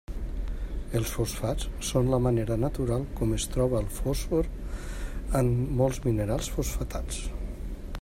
Els fosfats són la manera natural com es troba el fòsfor en molts minerals fosfatats.